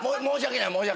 申し訳ない。